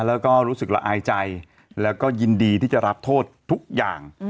แล้วก็รู้สึกละอายใจแล้วก็ยินดีที่จะรับโทษทุกอย่าง